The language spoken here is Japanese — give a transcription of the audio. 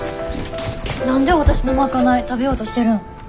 何でわたしの賄い食べようとしてるん？